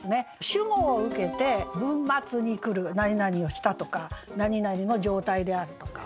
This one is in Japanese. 主語を受けて文末に来る「なになにをした」とか「なになにの状態である」とか。